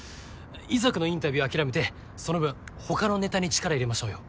遺族のインタビュー諦めてその分他のネタに力入れましょうよ。